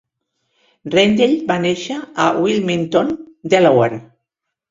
Rendell va néixer a Wilmington (Delaware).